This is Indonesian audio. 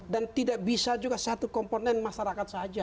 dan tidak bisa juga satu komponen masyarakat saja